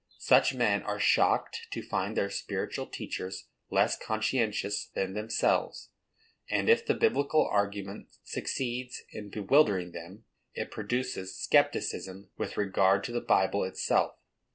Such men are shocked to find their spiritual teachers less conscientious than themselves; and if the Biblical argument succeeds in bewildering them, it produces scepticism with regard to the Bible itself.